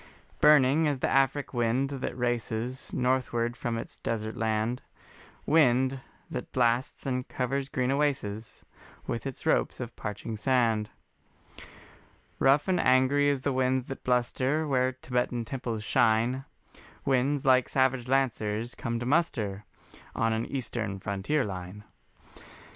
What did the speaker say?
Burning as the Afric wind that races Northward from its desert land, Wind that blasts and covers green oases With its ropes of parching sand. Rough and angry as the winds that bluster Where Tibetan temples shine, Winds like savage lancers come to muster On an Eastern frontier line.